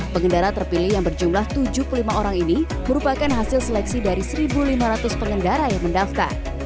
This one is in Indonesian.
pengendara terpilih yang berjumlah tujuh puluh lima orang ini merupakan hasil seleksi dari satu lima ratus pengendara yang mendaftar